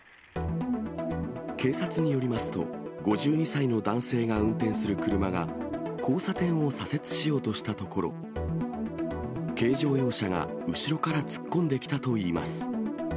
警察によりますと、５２歳の男性が運転する車が交差点を左折しようとしたところ、軽乗用車が後ろから突っ込んできたといいます。